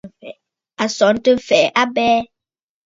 À sɔ̀ɔ̀ntə mfɛ̀ɛ a abɛɛ.